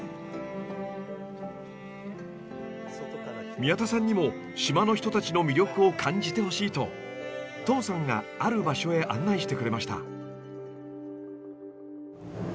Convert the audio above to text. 宮田さんにも島の人たちの魅力を感じてほしいとトムさんがある場所へ案内してくれました。